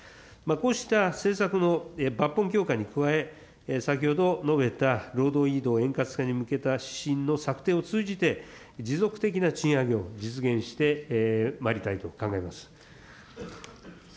こうした政策の抜本強化に加え、先ほど述べた労働移動円滑化に向けた指針の策定を通じて、持続的な賃上げを実現してまいりたいと考えます。